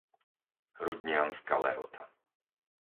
Rudnianska Lehota